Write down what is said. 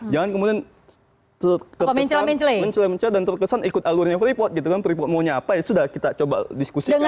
jangan kemudian terkesan ikut alurnya freeport gitu kan freeport maunya apa ya sudah kita coba diskusikan